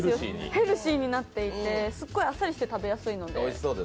ヘルシーになっていてあっさりして食べやすいので。